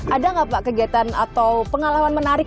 ada nggak pak kegiatan atau pengalaman menarik